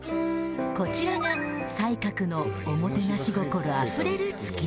こちらが西角のおもてなし心あふれるつきだし